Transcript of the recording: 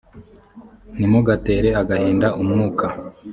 ntimugatere agahinda umwuka